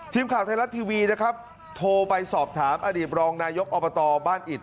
ทีมข่าวไทยรัฐทีวีนะครับโทรไปสอบถามอดีตรองนายกอบตบ้านอิด